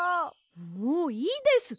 もういいです！